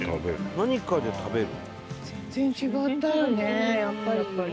何かで食べる？